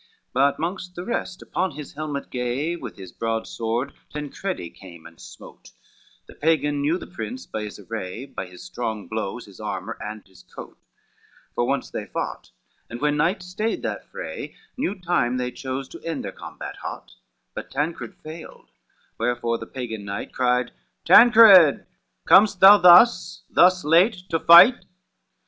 II But mongst the rest upon his helmet gay With his broad sword Tancredi came and smote: The Pagan knew the prince by his array, By his strong blows, his armor and his coat; For once they fought, and when night stayed that fray, New time they chose to end their combat hot, But Tancred failed, wherefore the Pagan knight Cried, "Tancred, com'st thou thus, thus late to fight?